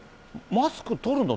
マスク取るの？